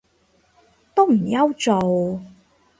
都唔憂做